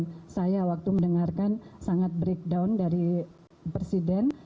saya berharap pada waktu mendengarkan sangat breakdown dari presiden